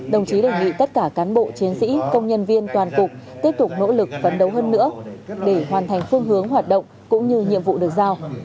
đồng chí đề nghị tất cả cán bộ chiến sĩ công nhân viên toàn cục tiếp tục nỗ lực phấn đấu hơn nữa để hoàn thành phương hướng hoạt động cũng như nhiệm vụ được giao